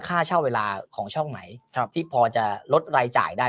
ค่าเช่าเวลาของช่องไหนครับที่พอจะลดรายจ่ายได้เพราะว่า